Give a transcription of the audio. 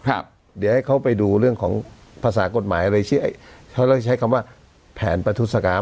ครับเดี๋ยวให้เขาไปดูเรื่องของภาษากฎหมายอะไรชื่อไอ้เขาต้องใช้คำว่าแผนประทุศกรรม